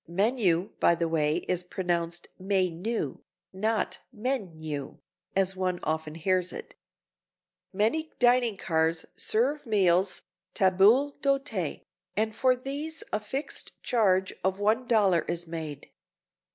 (Menu, by the way, is pronounced "may noo," not "meyn you" as one often hears it.) Many dining cars serve meals table d'hote (tah bul dote) and for these a fixed charge of one dollar is made.